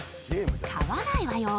買わないわよ！